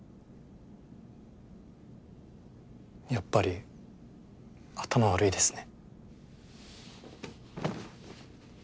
やっぱり頭悪いですね